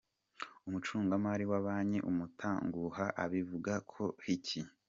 Umucungamari wa banki Umutanguha abivugaho iki?.